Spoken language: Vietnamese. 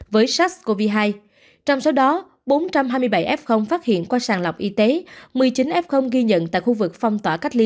với sars cov hai trong số đó bốn trăm hai mươi bảy f phát hiện qua sàng lọc y tế một mươi chín f ghi nhận tại khu vực phong tỏa cách ly